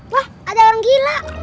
wah ada orang gila